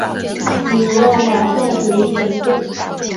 你要马上回前线。